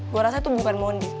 gue rasa itu bukan mondi